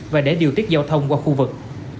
và để điều tiết giao thông qua khu vực